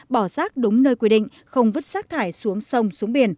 bỏ rác đúng nơi quy định không vứt rác thải xuống sông xuống biển